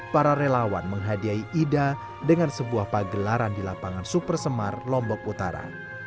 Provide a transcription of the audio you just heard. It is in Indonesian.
para relawan menghadiahi ida dengan sebuah pagelaran di lapangan super semar lombok utara